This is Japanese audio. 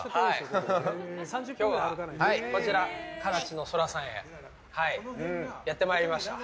今日は、カラチの空さんへやってまいりました。